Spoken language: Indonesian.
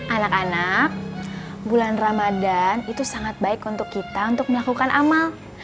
anak anak bulan ramadhan itu sangat baik untuk kita untuk melakukan amal